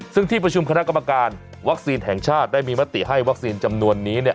ซึ่งที่ประชุมคณะกรรมการวัคซีนแห่งชาติได้มีมติให้วัคซีนจำนวนนี้